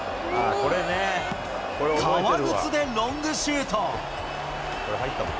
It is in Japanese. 革靴でロングシュート。